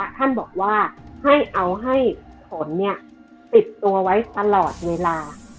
ท่านบอกว่าให้เอาให้ผลติดตัวไว้ตลอดเวลา